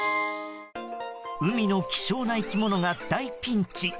海の希少な生き物が大ピンチ。